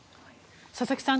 佐々木さん